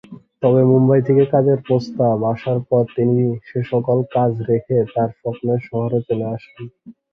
তবে মুম্বই থেকে কাজের প্রস্তাব আসার পর তিনি সে সকল কাজ রেখে তাঁর স্বপ্নের শহরে চলে আসেন।